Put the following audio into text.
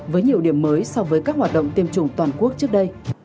với nhiều điểm mới so với các hoạt động tiêm chủng toàn quốc trước đây